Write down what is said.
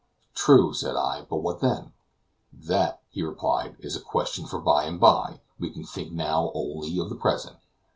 "True," said I, "but what then?" "That," he replied, "is a question for bye and bye. We can think now only of the present."